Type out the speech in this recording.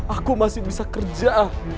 aku masih bisa kerja